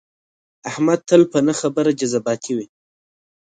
احمد تل په نه خبره جذباتي وي.